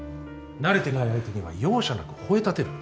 慣れてない相手には容赦なく吠えたてる。